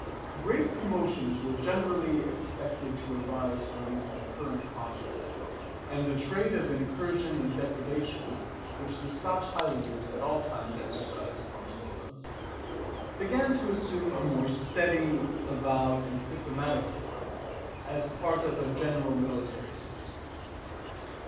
Great commotions were generally expected to arise from these concurrent causes; and the trade of incursion and depredation, which the Scotch Highlanders at all times exercised upon the Lowlands, began to assume a more steady, avowed, and systematic form, as part of a general military system.